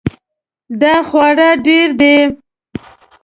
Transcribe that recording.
دا خواړه ډیر دي